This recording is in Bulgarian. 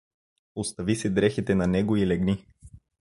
Остави си дрехите на него и легни.